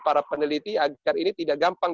para peneliti agar ini tidak gampang